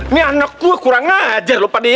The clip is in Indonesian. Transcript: nih anak gua kurang ngajar lu padi ya